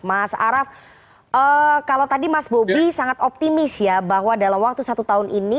mas araf kalau tadi mas bobi sangat optimis ya bahwa dalam waktu satu tahun ini